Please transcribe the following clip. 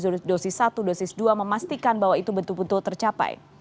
jadi dosis satu dosis dua memastikan bahwa itu betul betul tercapai